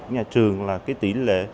của nhà trường là tỷ lệ